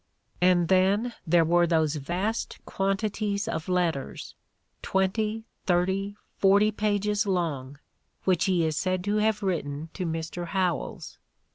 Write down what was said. And then there were those vast quantities of let ters, twenty, thirty, forty pages long, which he is said to have written to Mr. Howells.